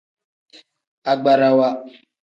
Agbarawa.